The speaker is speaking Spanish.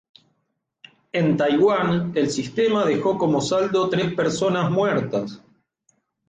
En Taiwán, el sistema dejó como saldo tres personas muertas.